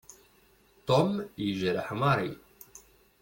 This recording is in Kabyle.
Tom yejreḥ Mary.